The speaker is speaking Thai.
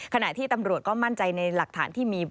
ขณะที่ตำรวจก็มั่นใจในหลักฐานที่มี